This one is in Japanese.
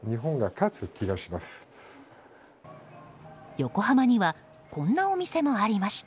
横浜にはこんなお店もありました。